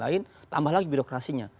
dan lain lain tambah lagi birokrasinya